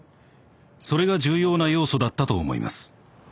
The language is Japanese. それが重要な要素だったと思います。